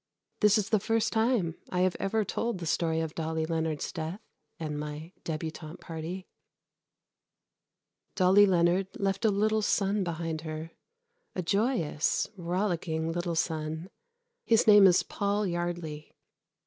This is the first time I have ever told the story of Dolly Leonard's death and my débutante party. Dolly Leonard left a little son behind her a joyous, rollicking little son. His name is Paul Yardley.